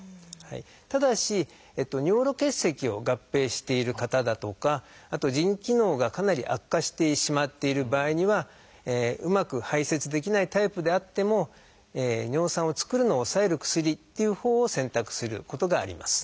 ただし尿路結石を合併している方だとかあと腎機能がかなり悪化してしまっている場合にはうまく排せつできないタイプであっても尿酸を作るのを抑える薬っていうほうを選択することがあります。